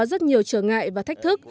rất nhiều trở ngại và thách thức